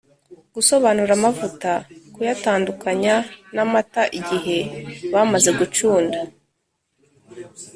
gusobanura amavuta: kuyatandukanya n’amata igihe bamaze gucunda.